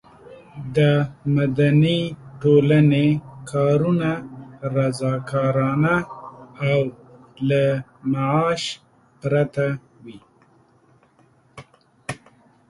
د مدني ټولنې کارونه رضاکارانه او له معاش پرته وي.